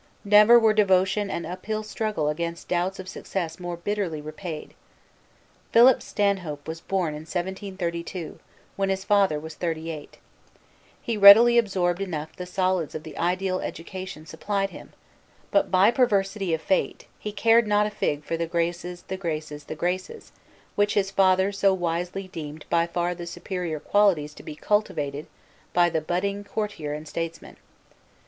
Never were devotion and uphill struggle against doubts of success more bitterly repaid. Philip Stanhope was born in 1732, when his father was thirty eight. He absorbed readily enough the solids of the ideal education supplied him, but, by perversity of fate, he cared not a fig for "the graces, the graces, the graces," which his father so wisely deemed by far the superior qualities to be cultivated by the budding courtier and statesman.